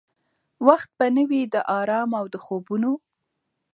وخت به نه وي د آرام او د خوبونو؟